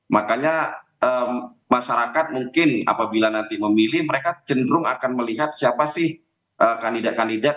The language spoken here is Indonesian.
makanya masyarakat mungkin apabila nanti memilih mereka cenderung akan melihat siapa sih kandidat kandidat